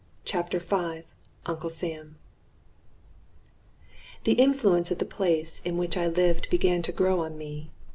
CHAPTER V UNCLE SAM The influence of the place in which I lived began to grow on me.